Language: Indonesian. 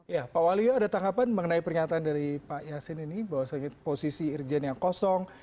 ya pak walio ada tanggapan mengenai pernyataan dari pak yasin ini bahwa posisi irjen yang kosong